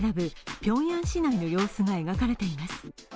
ピョンヤン市内の様子が描かれています。